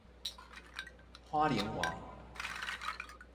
花蓮王